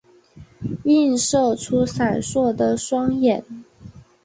映射出闪烁的双眼